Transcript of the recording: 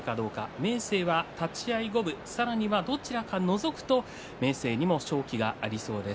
明生は立ち合い五分さらにはどちらかがのぞくと明生にも勝機がありそうです。